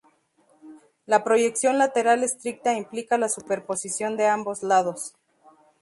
La proyección lateral estricta implica la superposición de ambos lados.